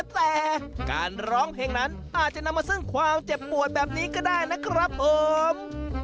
แต่การร้องเพลงนั้นอาจจะนำมาซึ่งความเจ็บปวดแบบนี้ก็ได้นะครับผม